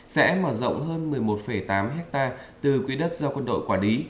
sẽ mở rộng hơn một mươi một tám ha từ quỹ đất do quân đội quả lý